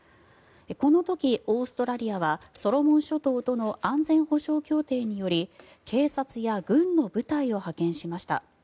この時、オーストラリアはソロモン諸島との安全保障協定により警察や軍の部隊を派遣しました。